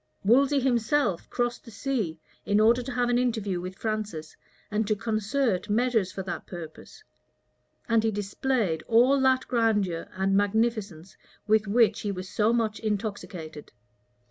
Wolsey himself crossed the sea, in order to have an interview with Francis and to concert measures for that purpose; and he displayed all that grandeur and magnificence with which he was so much intoxicated.